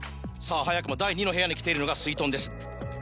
早くも第２の部屋に来ているのがすいとんです。